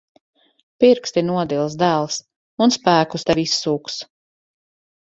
Pirksti nodils, dēls. Un spēkus tev izsūks.